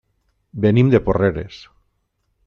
Venim de Porreres.